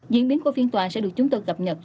diễn biến của phiên tòa sẽ được chúng tôi cập nhật